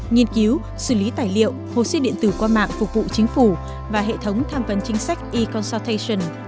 nghiên cứu xử lý tài liệu hồ sơ điện tử qua mạng phục vụ chính phủ và hệ thống tham vấn chính sách e consuttation